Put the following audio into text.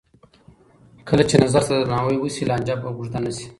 کله چې نظر ته درناوی وشي، لانجه به اوږده نه شي.